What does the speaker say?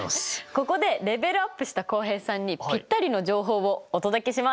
ここでレベルアップした浩平さんにぴったりの情報をお届けします。